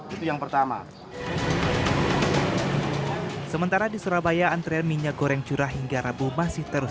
itu yang pertama sementara di surabaya antrean minyak goreng curah hingga rabu masih terus